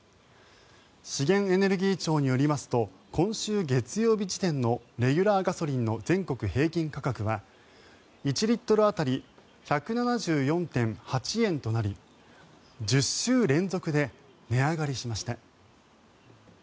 資源エネルギー庁によりますと今週月曜日時点のレギュラーガソリンの全国平均価格は１リットル当たり１７４．８円となり１０週連続で値上がりしました。